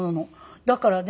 だからね